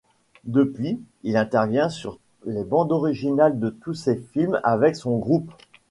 Depuis, il intervient sur les bandes originales de tous ses films, avec son groupe.